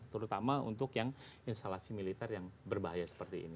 terutama untuk yang instalasi militer yang berbahaya seperti ini